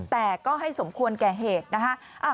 แต่ก็ให้สมควรแก่เหตุนะคะ